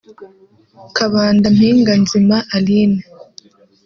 Kabanda Mpinganzima Aline